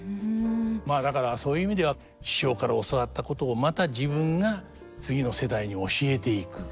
まあだからそういう意味では師匠から教わったことをまた自分が次の世代に教えていく。